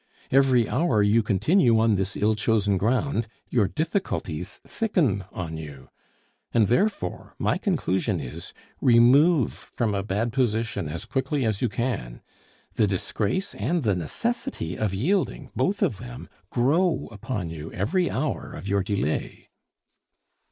Every hour you continue on this ill chosen ground, your difficulties thicken on you; and therefore my conclusion is, remove from a bad position as quickly as you can. The disgrace and the necessity of yielding, both of them, grow upon you every hour of your delay....